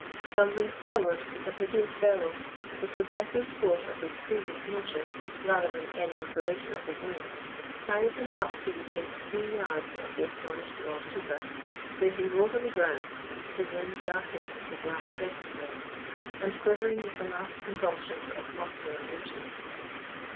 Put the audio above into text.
Stumbling forward with a hideous bellow, the progressive force of his previous motion, rather than any operation of his limbs, carried him up to within three yards of the astonished Lord Keeper, where he rolled on the ground, his limbs darkened with the black death sweat, and quivering with the last convulsions of muscular motion.